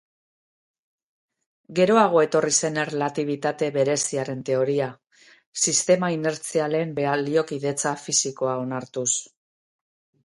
Geroago etorri zen erlatibitate bereziaren teoria, sistema inertzialen baliokidetza fisikoa onartuz.